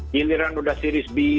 giliran udah series b